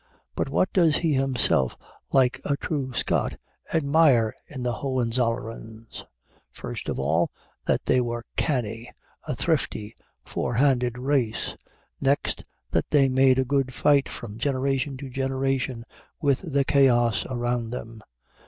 But what does he himself, like a true Scot, admire in the Hohenzollerns? First of all, that they were canny, a thrifty, forehanded race. Next, that they made a good fight from generation to generation with the chaos around them.